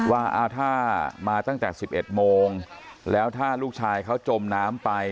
ว่าถ้ามาตั้งแต่๑๑โมงแล้วถ้าลูกชายเขาจมน้ำไป